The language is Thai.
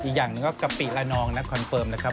อีกอย่างหนึ่งก็กะปิละนองนักคอนเฟิร์มนะครับ